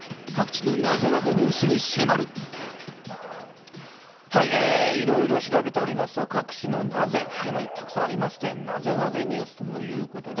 このあと、いろいろ調べておりますと、各種のナゼっていうのがたくさんありまして、ナゼナゼニュースということで。